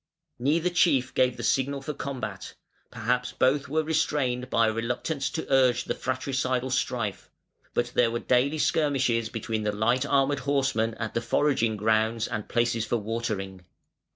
Neither chief gave the signal for combat; perhaps both were restrained by a reluctance to urge the fratricidal strife; but there were daily skirmishes between the light armed horsemen at the foraging grounds and places for watering.